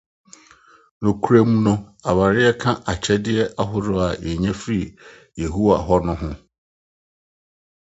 Nokwarem no, aware ka akyɛde ahorow a yenya fi Yehowa hɔ no ho.